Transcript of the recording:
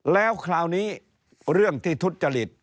แล้วคราวนี้เรื่องที่ทุจจริต